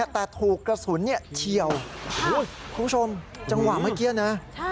แต่ถูกกระสุนเฉียวคุณผู้ชมจังหวะเมื่อกี้นะ